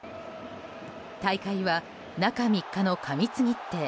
大会は中３日の過密日程。